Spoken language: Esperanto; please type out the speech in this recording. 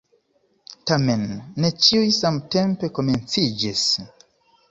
Tamen ne ĉiuj samtempe komenciĝis!